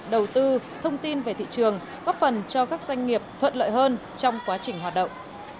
đầu tư thông tin về thị trường góp phần cho các doanh nghiệp thuận lợi hơn trong quá trình hoạt động